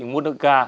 muốn được ra